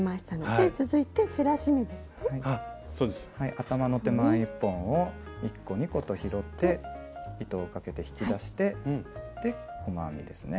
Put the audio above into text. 頭の手前１本を１個２個と拾って糸をかけて引き出して細編みですね